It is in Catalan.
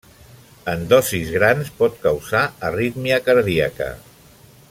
En dosis grans pot causar arrítmia cardíaca.